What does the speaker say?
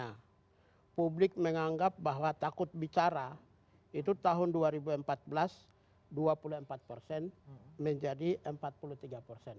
nah publik menganggap bahwa takut bicara itu tahun dua ribu empat belas dua puluh empat persen menjadi empat puluh tiga persen